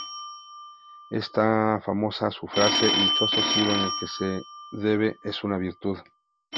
Es famosa su frase: "Dichoso siglo en el que el deber es una virtud".